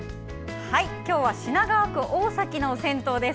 今日は品川区大崎の銭湯です。